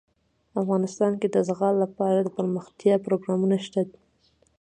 افغانستان کې د زغال لپاره دپرمختیا پروګرامونه شته.